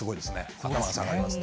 頭が下がりますね。